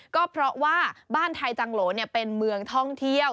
ก็เพราะว่าบ้านไทยจังโหลเป็นเมืองท่องเที่ยว